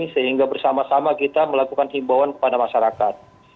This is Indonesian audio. sehingga bersama sama kita melakukan himbauan kepada masyarakat